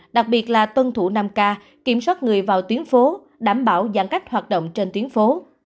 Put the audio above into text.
đặc biệt là tuân thủ năm k kiểm soát người vào tuyến phố đảm bảo giãn cách hoạt động trên tuyến phố